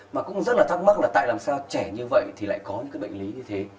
mà cũng rất là thắc mắc là tại làm sao trẻ như vậy thì lại có những cái bệnh lý như thế